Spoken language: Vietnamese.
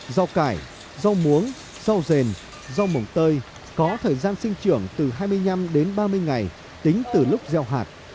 rau cải rau muống rau rền rau mổng tơi có thời gian sinh trưởng từ hai mươi năm đến ba mươi ngày tính từ lúc gieo hạt